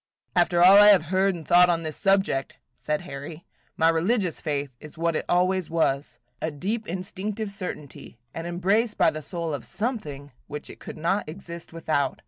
"After all I have heard and thought on this subject," said Harry, "my religious faith is what it always was, – a deep, instinctive certainty, an embrace by the soul of something which it could not exist without.